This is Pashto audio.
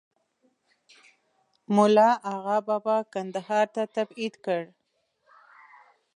مُلا آغابابا کندهار ته تبعید کړ.